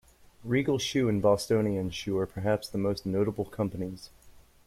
Regal Shoe and Bostonian Shoe are perhaps the most notable companies.